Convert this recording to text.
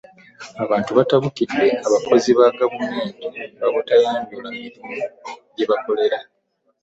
Abantu baatabukidde abakozi ba gavumenti lwa butayanjula mirimu gye bakola